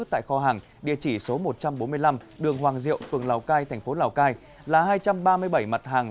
tại kho hàng địa chỉ số một trăm bốn mươi năm đường hoàng diệu phường lào cai thành phố lào cai là hai trăm ba mươi bảy mặt hàng